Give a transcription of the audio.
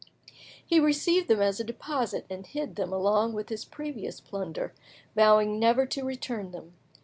He received them as a deposit, and hid them along with his previous plunder, vowing never to return them.